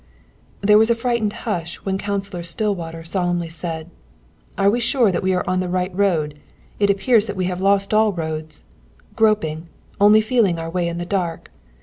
There was a frightened hush when Counsellor Stillwell solemnly said: "Are we sure that we are on the right road? It appears that we have lost all roads. Groping! Only feeling our way in the dark!